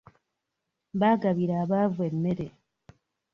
Baagabira abavu emmere.